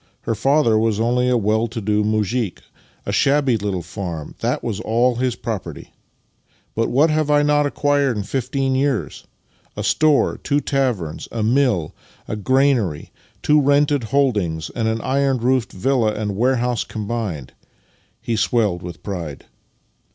Her father was only a well to do muzhik. A shabby little farm — that was all his property. But what have I not acquired in fifteen years? A store, two taverns, a mill, a granary, two rented holdings, and an iron roofed villa and warehouse combined." He swelled with pride.